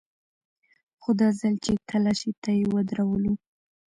خو دا ځل چې تلاشۍ ته يې ودرولو.